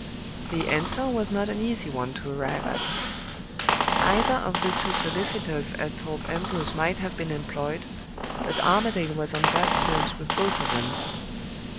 "The answer was not an easy one to arrive at. "Either of the two solicitors at Thorpe Ambrose might have been employed, but Armadale was on bad terms with both of them.